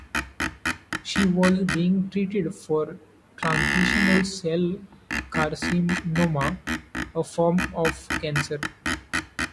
She was being treated for transitional-cell carcinoma, a form of cancer.